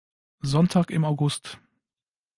Sonntag im August.